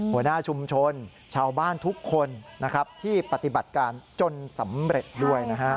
หัวหน้าชุมชนชาวบ้านทุกคนนะครับที่ปฏิบัติการจนสำเร็จด้วยนะฮะ